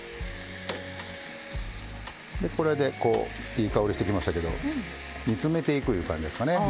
いい香りがしてきましたけど煮詰めていくという感じですかね。